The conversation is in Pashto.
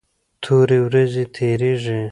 تورې ورېځې تیریږي.